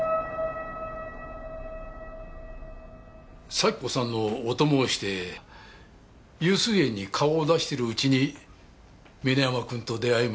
サキ子さんのお供をして悠水苑に顔を出してるうちに峰山君と出会いました。